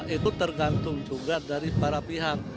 itu tergantung juga dari para pihak